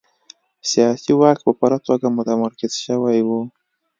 سیاسي واک په پوره توګه متمرکز شوی و.